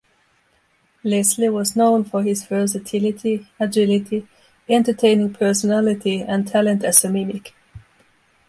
Leslie was known for his versatility, agility, entertaining personality and talent as a mimic.